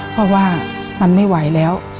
เพราะว่ามันไม่ไหวแล้ว